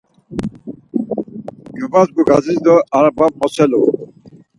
Gyobadzgu gazis do araba moselu.